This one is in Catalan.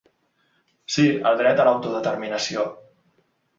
Sí al dret a l’autodeterminació.